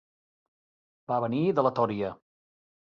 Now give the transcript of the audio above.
Va venir de la tòria.